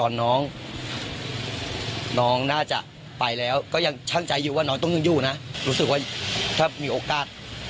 ก็คงคืออยากจะช่วยให้มันให้เขาได้ออกมา